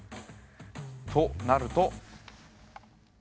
となると。